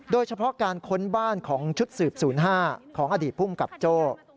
โดยเฉพาะการค้นบ้านของชุดสืบ๐๕ของอดีตภูมิกับโจ้